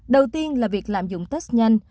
đầu tiên là việc lạm dụng test nhanh